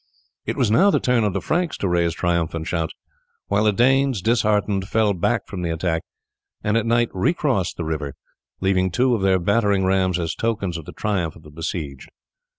It was now the turn of the Franks to raise triumphant shouts, while the Danes, disheartened, fell back from the attack, and at night recrossed the river, leaving two of their battering rams as tokens of the triumph of the besieged.